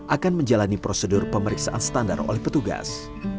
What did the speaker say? akan menjalani prosedur pemeriksaan standar oleh petugas